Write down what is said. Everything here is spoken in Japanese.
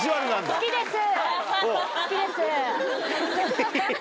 大好きです。